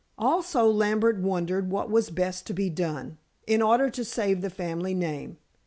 Also, Lambert wondered what was best to be done, in order to save the family name.